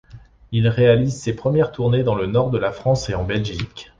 Il réalise ses premières tournées dans le Nord de la France et en Belgique.